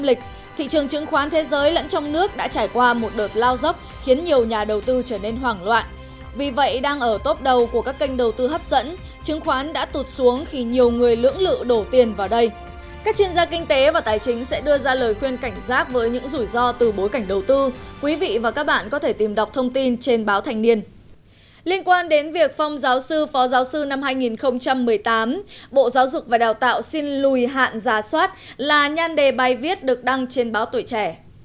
liên quan đến việc phong giáo sư phó giáo sư năm hai nghìn một mươi tám bộ giáo dục và đào tạo xin lùi hạn giả soát là nhan đề bài viết được đăng trên báo tuổi trẻ